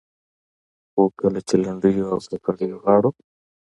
خو کله چې لنډيو او کاکړيو غاړو